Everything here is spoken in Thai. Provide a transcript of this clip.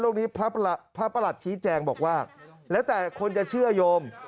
พระนี้พระประหลัดชี้แจงบอกว่าแล้วแต่คนจะเชื่อโยม